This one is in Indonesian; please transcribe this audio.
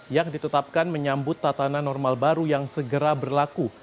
yang ditetapkan menyambut tatanan normal baru yang segera berlaku